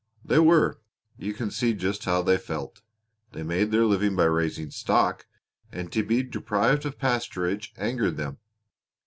"They were. You can see just how they felt. They made their living by raising stock, and to be deprived of pasturage angered them.